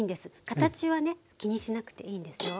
形はね気にしなくていいんですよ。